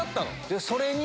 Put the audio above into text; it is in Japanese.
でそれに。